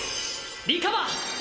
リカバー！